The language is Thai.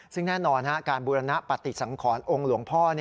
ซึ่งแน่นอนการบูรณปฏิสังขรองค์หลวงพ่อ